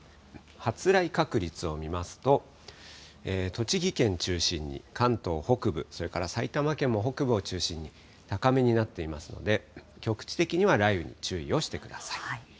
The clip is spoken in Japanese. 発雷確率を見ますと、栃木県中心に関東北部、それから埼玉県も北部を中心に高めになっていますので、局地的には雷雨に注意をしてください。